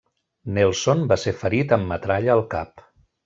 Nelson va ser ferit amb metralla al cap.